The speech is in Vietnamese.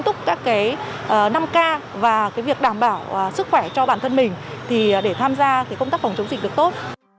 tốt các năm k và cái việc đảm bảo sức khỏe cho bản thân mình thì để tham gia công tác phòng chống dịch được tốt